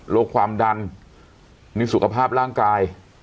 โรคความดันในสุขภาพร่างกาย